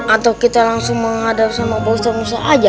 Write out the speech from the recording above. atau kita langsung menghadap sama pak ustadz musa aja